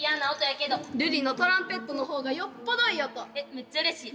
めっちゃうれしい。